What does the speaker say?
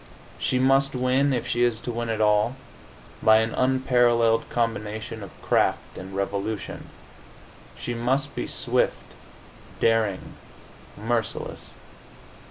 She must win, if she is to win at all, by an unparalleled combination of craft and resolution. She must be swift, daring, merciless.